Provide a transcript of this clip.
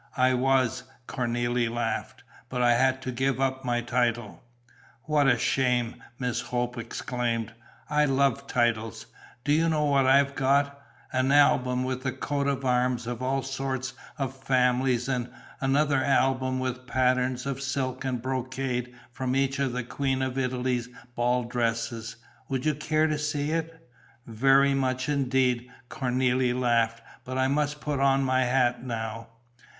"I was!" Cornélie laughed. "But I had to give up my title." "What a shame!" Miss Hope exclaimed. "I love titles. Do you know what I've got? An album with the coats of arms of all sorts of families and another album with patterns of silk and brocade from each of the Queen of Italy's ball dresses. Would you care to see it?" "Very much indeed!" Cornélie laughed. "But I must put on my hat now."